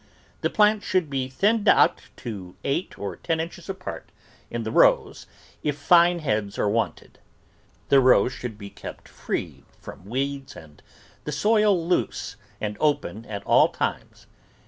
The plants should be thinned out to eight or ten inches apart in the rows if fine heads are wanted. The rows should be kept free from weeds and the soil loose and open at all times.